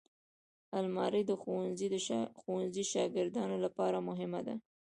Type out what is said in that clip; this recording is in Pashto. الماري د ښوونځي شاګردانو لپاره مهمه ده